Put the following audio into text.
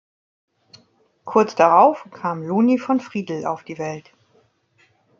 Kurz darauf kam Loni von Friedl auf die Welt.